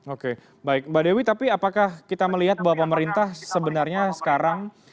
oke baik mbak dewi tapi apakah kita melihat bahwa pemerintah sebenarnya sekarang